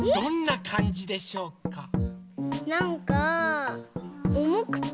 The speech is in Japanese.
なんかおもくて。